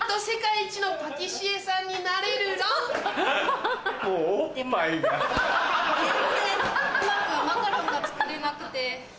でも全然うまくマカロンが作れなくて。